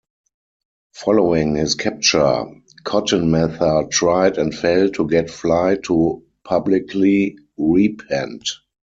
Following his capture, Cotton Mather tried, and failed, to get Fly to publicly repent.